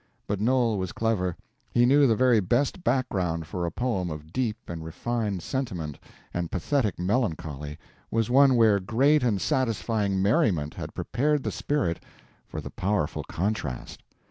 But Noel was clever. He knew the very best background for a poem of deep and refined sentiment and pathetic melancholy was one where great and satisfying merriment had prepared the spirit for the powerful contrast.